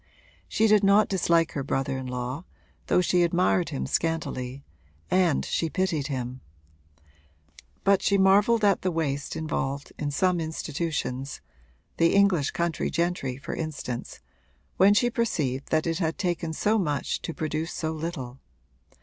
She did not dislike her brother in law, though she admired him scantily, and she pitied him; but she marvelled at the waste involved in some human institutions (the English country gentry for instance) when she perceived that it had taken so much to produce so little.